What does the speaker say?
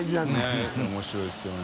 ねぇ面白いですよね。